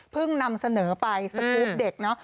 เพิ่งนำเสนอไปสกุปเด็กเนาะ